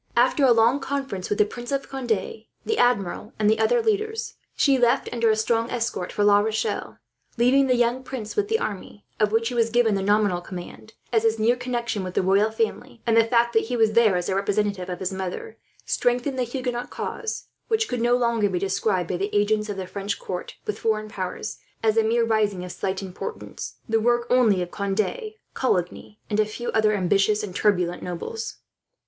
After a long conference with the Prince of Conde, the Admiral, and the other leaders, she left under a strong escort for La Rochelle; leaving the young prince with the army, of which he was given the nominal command, as his near connection with the royal family, and the fact that he was there as the representative of his mother, strengthened the Huguenot cause; which could no longer be described, by the agents of the French court with foreign powers, as a mere rising of slight importance, the work only of Conde, Coligny, and a few other ambitious and turbulent nobles.